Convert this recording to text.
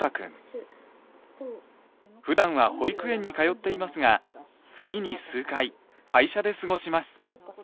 普段は保育園に通っていますが月に数回会社で過ごします。